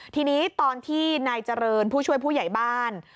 ทีนี้ตอนที่นายเจริญผู้ช่วยผู้ใหญ่บ้าน